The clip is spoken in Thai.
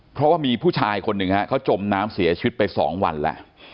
เพราะว่ามีผู้ชายคนหนึ่งฮะเขาจมน้ำเสียชีวิตไป๒วันแล้ว